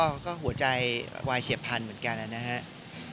ก็ของหัวใจวายเฉียบพันห์เหมือนกันด้านทางนะครับ